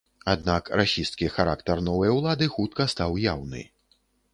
Аднак расісцкі характар новай улады хутка стаў яўны.